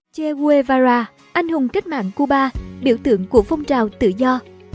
ché guevara anh hùng cách mạng cuba biểu tượng của phong trào tự do